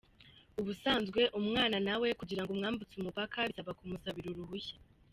Ubusanzwe umwana nawe kugira ngo umwambutse umupaka bisaba kumusabira uruhushya.